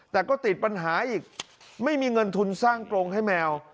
แต่ก็ติดปัญหาอีกไม่มีเงินทุนสร้างกรงให้แมว